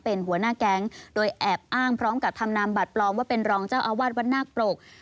เป็นหัวหน้าแก๊งโดยแอบอ้างพร้อมกับทำนามบัตรปลอมว่าเป็นรองเจ้าอาวาสวัดนาคปรก